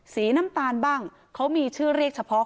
สีน้ำตาลบ้างเขามีชื่อเรียกเฉพาะ